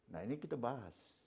nah ini kita bahas